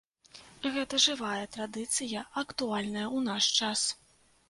Гэта жывая традыцыя, актуальная ў наш час.